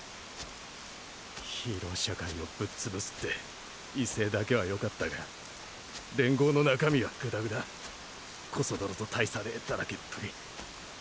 ヒーロー社会をブッ潰すって威勢だけはよかったが連合の中身はグダグダコソ泥と大差ねぇダラケっぷり。